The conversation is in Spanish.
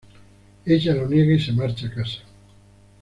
Ella lo niega y se marcha a casa.